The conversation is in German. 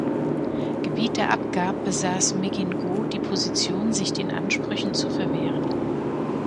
Gebiete abgab, besaß Megingaud die Position, sich den Ansprüchen zu verwehren.